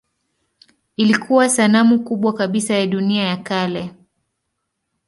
Ilikuwa sanamu kubwa kabisa ya dunia ya kale.